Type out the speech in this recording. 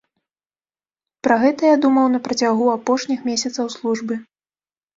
Пра гэта я думаў на працягу апошніх месяцаў службы.